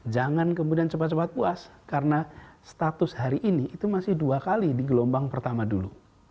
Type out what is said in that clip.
jangan kemudian cepat cepat puas karena status hari ini itu masih dua kali di gelombang pertama dulu